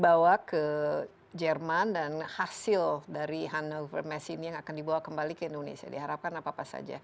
baik jadi kira kira apa yang nanti akan dibawa ke jerman dan hasil dari hannover messe ini yang akan dibawa kembali ke indonesia diharapkan apa pasti